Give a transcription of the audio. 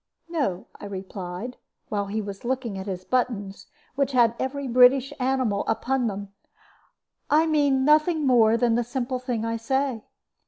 "No," I replied, while he was looking at his buttons, which had every British animal upon them; "I mean nothing more than the simple thing I say.